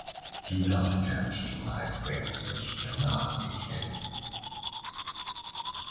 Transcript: Do not attempt to hide things which cannot be hid.